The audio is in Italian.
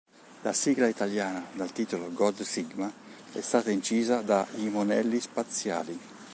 La sigla italiana dal titolo "God Sigma" è stata incisa da I monelli spaziali.